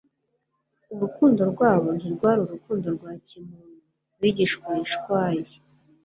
Urukundo rwabo ntirwari urukundo rwa kimuntu rw'igihwayihwayi;